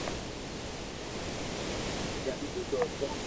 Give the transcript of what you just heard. جمم ليدو ھتو